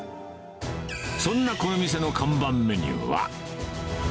そんなこの店の看板メニューは。